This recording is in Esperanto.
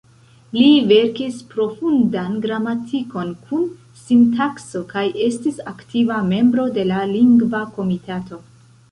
Li verkis profundan gramatikon kun sintakso kaj estis aktiva membro de la Lingva Komitato.